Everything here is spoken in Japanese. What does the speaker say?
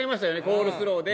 コールスローで。